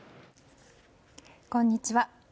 こんにちは。